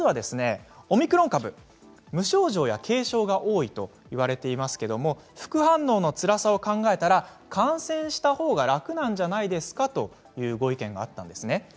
オミクロン株、無症状や軽症が多いといわれていますけれども副反応のつらさを考えたら感染したほうが楽なんじゃないでしょうかというご意見です。